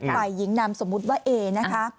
ฝ่ายหญิงนามสมมุติว่าเอนะคะ